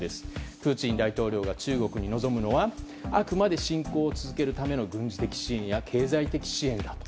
プーチン大統領が中国に望むのはあくまで侵攻を続けるための軍事的、経済的な支援だと。